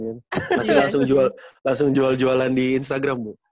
masih langsung jual jualan di instagram bu